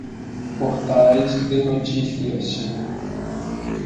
Portais de notícias.